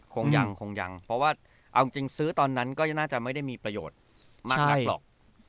คงยังคงยังเพราะว่าเอาจริงซื้อตอนนั้นก็น่าจะไม่ได้มีประโยชน์มากนักหรอก